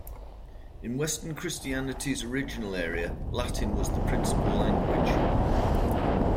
In Western Christianity's original area Latin was the principal language.